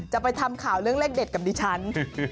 จะไปทำข่าวเรื่องเลขเด็ดกับดิฉัน